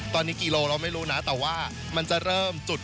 ตอนนี้กี่แล้วเราก็ไม่รู้นะนะแต่ว่ามันจะเริ่ม